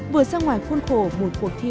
vừa sang ngoài khuôn khổ một cuộc thi